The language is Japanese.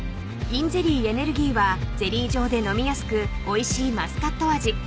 ｉｎゼリーエネルギーはゼリー状で飲みやすくおいしいマスカット味。